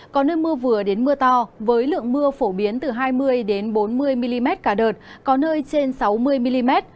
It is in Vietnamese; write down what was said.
có nơi mưa vừa đến mưa to với lượng mưa phổ biến từ hai mươi bốn mươi mm cả đợt có nơi trên sáu mươi mm